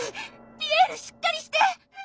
ピエールしっかりして！